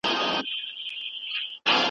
ته بېشکه هم ښایسته یې هم رنګینه .